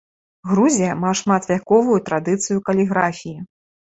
Грузія мае шматвяковую традыцыю каліграфіі.